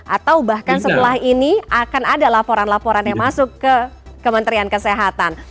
atau bahkan setelah ini akan ada laporan laporan yang masuk ke kementerian kesehatan